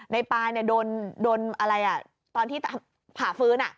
ในปายโดนอะไรตอนที่ผ่าฟื้น